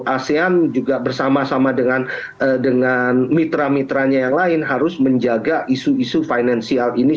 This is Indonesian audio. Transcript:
asean juga bersama sama dengan mitra mitranya yang lain harus menjaga isu isu finansial ini